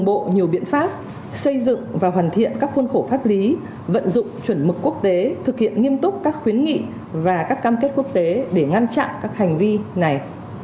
bộ pháp lý vận dụng chuẩn mực quốc tế thực hiện nghiêm túc các khuyến nghị và các cam kết quốc tế để ngăn chặn các hành vi này